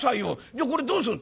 じゃあこれどうする？」。